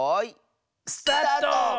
スタート！